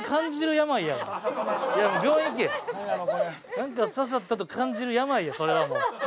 なんか刺さったと感じる病やそれはもう。